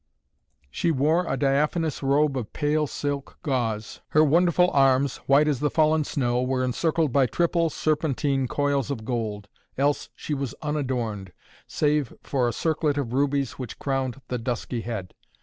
She wore a diaphanous robe of pale silk gauze. Her wonderful arms, white as the fallen snow, were encircled by triple serpentine coils of gold. Else, she was unadorned, save for a circlet of rubies which crowned the dusky head.